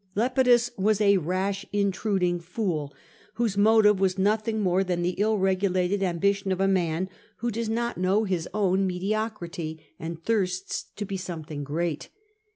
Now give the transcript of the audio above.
Lepidus was ''a rash, intruding fool," whose motive was nothing more than the ill regulated am bition of a man who does not know his own mediocrity, and thirsts to be something great.